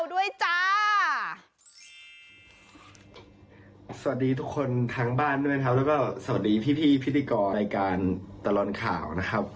ทุกคนทางบ้านด้วยนะครับแล้วก็สวัสดีพี่พิธีกรรายการตลอดข่าวนะครับ